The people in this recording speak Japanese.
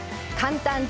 簡単！